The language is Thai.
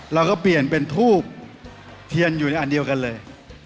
เราก็เปลี่ยนเป็นทูบเทียนอยู่ในอันเดียวกันเลย